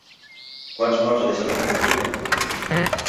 Quants morts ha deixat el conflicte?